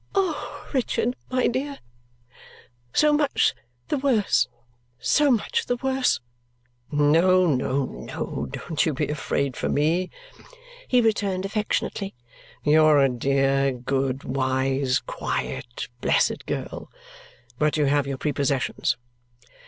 "Oh, Richard, my dear, so much the worse, so much the worse!" "No, no, no, don't you be afraid for me," he returned affectionately. "You're a dear, good, wise, quiet, blessed girl; but you have your prepossessions.